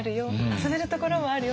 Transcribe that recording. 遊べるところもあるよ。